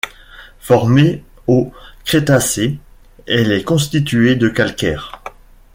Formée au Crétacé, elle est constituée de calcaire.